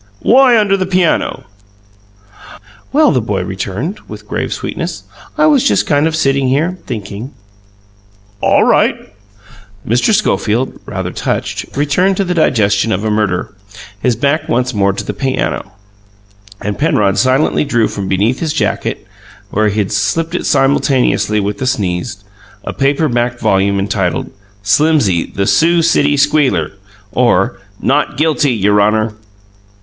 "Why under the piano?" "Well," the boy returned, with grave sweetness, "I was just kind of sitting here thinking." "All right." Mr. Schofield, rather touched, returned to the digestion of a murder, his back once more to the piano; and Penrod silently drew from beneath his jacket (where he had slipped it simultaneously with the sneeze) a paper backed volume entitled: "Slimsy, the Sioux City Squealer, or, 'Not Guilty, Your Honor.'"